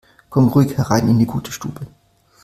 Kommt ruhig herein in die gute Stube!